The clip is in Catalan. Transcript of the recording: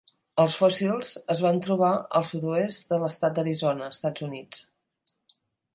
Els fòssils es van trobar al sud-oest de l'estat d'Arizona, Estats Units.